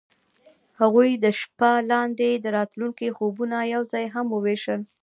هغوی د شپه لاندې د راتلونکي خوبونه یوځای هم وویشل.